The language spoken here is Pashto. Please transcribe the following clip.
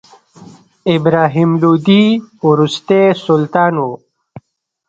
ابراهیم لودي وروستی سلطان و.